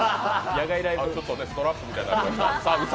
ちょっとストラップみたいになってました。